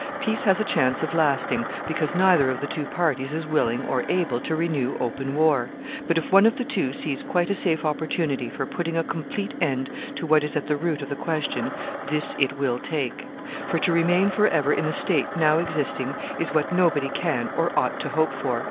"Peace has a chance of lasting, because neither of the two parties is willing or able to renew open war; but, if one of the two sees quite a safe opportunity for putting a complete end to what is at the root of the question, this it will take; for to remain forever in the state now existing is what nobody can or ought to hope for.